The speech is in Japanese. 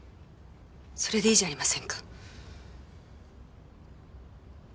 それでいいじゃありませんか。